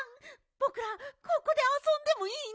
ぼくらここであそんでもいいの？